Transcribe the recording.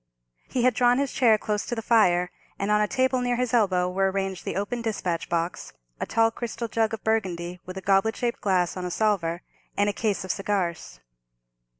He had drawn his chair close to the fire, and on a table near his elbow were arranged the open despatch box, a tall crystal jug of Burgundy, with a goblet shaped glass, on a salver, and a case of cigars.